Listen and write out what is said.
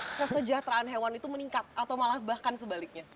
kesejahteraan hewan itu meningkat atau malah bahkan sebaliknya